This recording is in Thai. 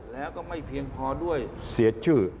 แล้วก็ไม่เพียงพอด้วย